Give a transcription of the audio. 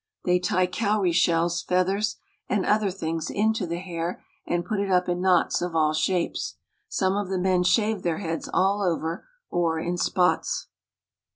They tie cowrie shells, feathers, and other things into the hair, and put it up in knots of all shapes. Some of the men shave their heads all over, or in spots.